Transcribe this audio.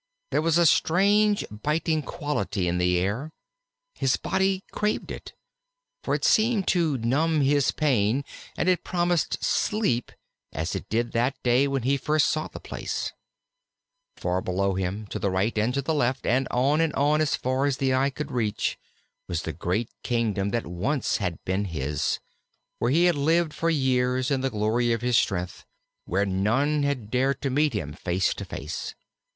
There was a strange biting quality in the air. His body craved it. For it seemed to numb his pain and it promised sleep, as it did that day when first he saw the place. Far below him, to the right and to the left and on and on as far as the eye could reach, was the great kingdom that once had been his: where he had lived for years in the glory of his strength; where none had dared to meet him face to face.